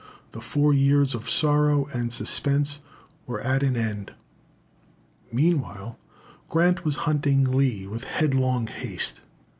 The four years of sorrow and suspense were at an end. Meanwhile, Grant was hunting Lee with headlong haste.